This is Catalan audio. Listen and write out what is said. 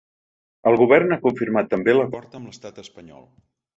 El govern ha confirmat també l’acord amb l’estat espanyol.